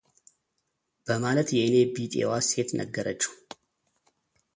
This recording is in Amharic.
በማለት የእኔ ቢጤዋ ሴት ነገረችው፡፡